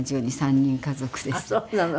あっそうなの。